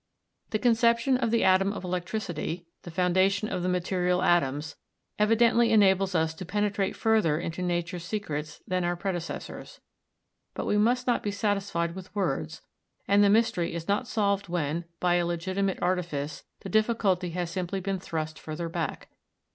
The conception of the atom of electricity, the foundation of the material atoms, evidently enables us to penetrate further into Nature's secrets than our predecessors; but we must not be satisfied with words, and the mystery is not solved when, by a legitimate artifice, the difficulty has simply been thrust further back.